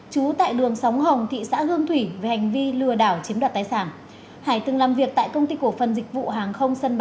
trú tại đường sóng hồng thị xã hương thủy về hành vi lừa đảo chiếm đoạt tái sản